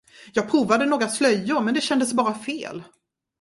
Jag provade några slöjor men det kändes bara fel.